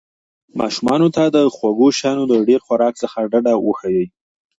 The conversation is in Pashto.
ماشومانو ته د خوږو شیانو د ډېر خوراک څخه ډډه وښایئ.